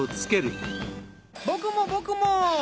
僕も僕も！